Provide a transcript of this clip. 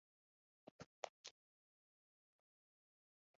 gutegura no kubahiriza amabwiriza